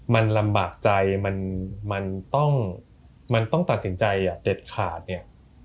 มันลำบากใจมันต้องมันต้องตัดสินใจเด็ดขาดเนี่ย